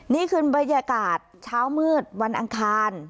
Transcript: นี่คือบรรยากาศเช้ามืดวันอังคาร